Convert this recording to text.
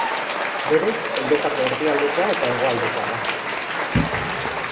Berez Europako erdialdekoa eta hegoaldekoa da.